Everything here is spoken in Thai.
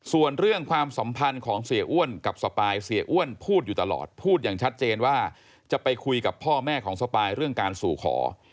ส่วนเรื่องความสัมพันธ์ของเสียอ้วนกับสปายเสียอ้วนพูดอยู่ตลอดพูดอย่างชัดเจนว่าจะไปคุยกับพ่อแม่ของสปายเรื่องการสู่ขอ